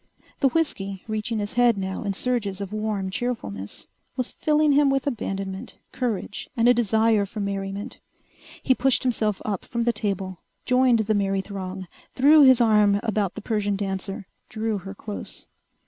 The whiskey, reaching his head now in surges of warm cheerfulness, was filling him with abandonment, courage, and a desire for merriment. He pushed himself up from the table, joined the merry throng, threw his arm about the Persian dancer, drew her close.